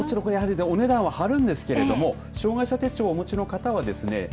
お値段は張るんですけども障害者手帳をお持ちの方はですね